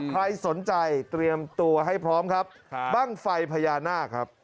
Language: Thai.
ใครสนใจเตรียมตัวให้พร้อมครับบ้างไฟพญานาคครับ